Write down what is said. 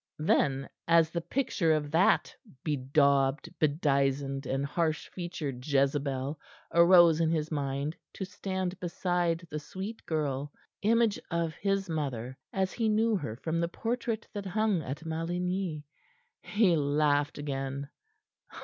Then as the picture of that bedaubed, bedizened and harsh featured Jezebel arose in his mind to stand beside the sweet girl image of his mother as he knew her from the portrait that hung at Maligny he laughed again.